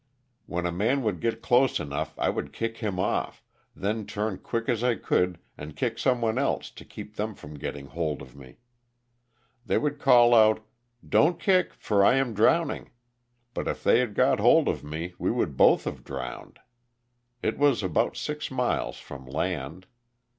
When a man would get close enough I would kick him off, then turn quick as I could and kick someone else to keep them from getting hold of me. They would call out ''don't kick, for I am drowning,'' but if they had got hold of me we would both have drowned. It was about six miles from land.